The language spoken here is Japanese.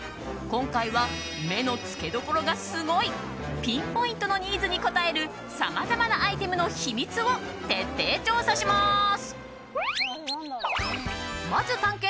今回は、目のつけどころがすごいピンポイントのニーズに応えるさまざまなアイテムの秘密を徹底調査します。